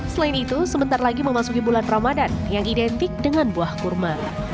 selain itu sebentar lagi memasuki bulan ramadan yang identik dengan buah kurma